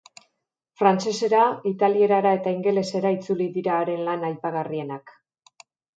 Frantsesera, italierara eta ingelesera itzuli dira haren lan aipagarrienak.